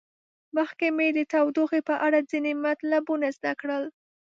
مخکې مو د تودوخې په اړه ځینې مطلبونه زده کړل.